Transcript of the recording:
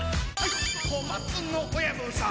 「小松の親分さん